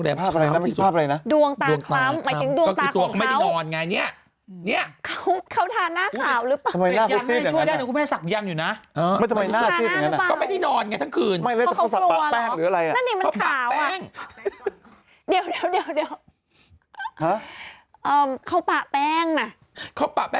ตัวตาคล้ำลูกฐานครับ